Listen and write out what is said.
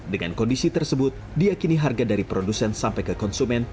dengan kondisi tersebut diakini harga dari produsen sampai ke konsumen